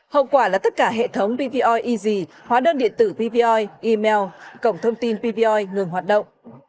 hậu quả là tất cả hệ thống pvr ez hóa đơn điện tử pvoi email cổng thông tin pvoi ngừng hoạt động